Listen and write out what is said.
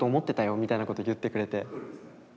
みたいなこと言ってくれて。